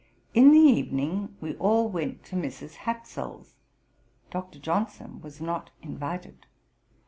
30. In the evening we all went to Mrs. Hatsel's. Dr. Johnson was not invited.'